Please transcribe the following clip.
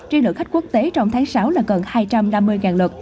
riêng lượng khách quốc tế trong tháng sáu là gần hai trăm năm mươi lượt